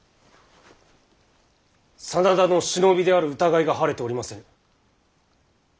真田の忍びである疑いが晴れておりませぬ。